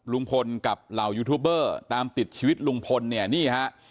ลุงพลกับเหล่ายูทูบเบอร์ตามติดชีวิตลุงพลเนี่ยนี่ฮะ